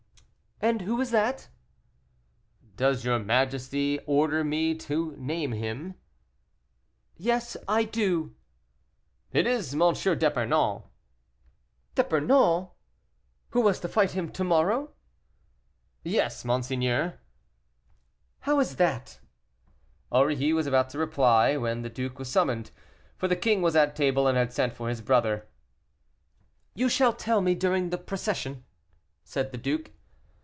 "And who is that?" "Does your highness order me to name him?" "Yes, I do." "It is M. d'Epernon." "D'Epernon! who was to fight him to morrow?" "Yes, monseigneur." "How is that?" Aurilly was about to reply, when the duke was summoned; for the king was at table, and had sent for his brother. "You shall tell me during the procession," said the duke.